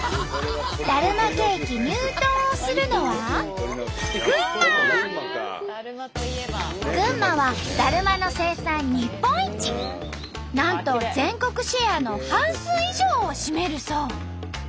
だるまケーキ入刀をするのは群馬はなんと全国シェアの半数以上を占めるそう。